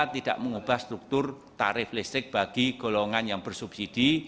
tidak mengubah struktur tarif listrik bagi golongan yang bersubsidi